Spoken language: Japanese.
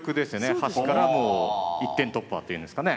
端からもう一点突破っていうんですかね。